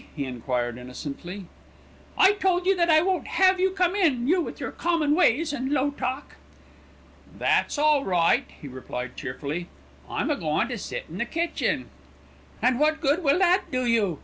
he enquired innocently. "I told you that I won't have you come in, you with your common ways and low talk." "That's all right," he replied cheerfully. "I'm a goin' to sit in the kitchen." "And what good will that do you?"